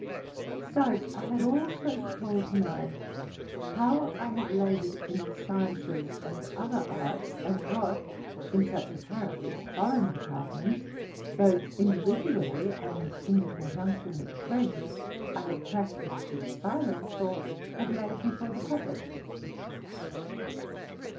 Besides, I had also to call to mind how I had labored in the sciences anfl other arts, and what, in such apparently foreign departments, both individually and in gonjunction with friends, I had practised in silence, or had laid before the public.